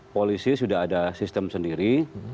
polisi sudah ada sistem sendiri